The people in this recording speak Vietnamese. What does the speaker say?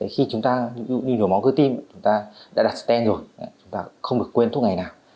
khi chúng ta ví dụ như nhồi máu cơ tim chúng ta đã đặt sten rồi chúng ta không được quên thuốc ngày nào